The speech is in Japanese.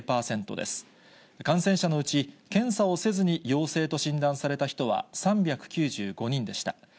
感染者のうち、検査をせずに陽性と診断された人は３９５人でした。